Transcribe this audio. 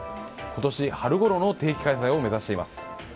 今年春ごろの定期開催を目指しています。